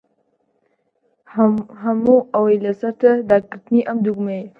هەموو ئەوەی لەسەرتە داگرتنی ئەم دوگمەیەیە.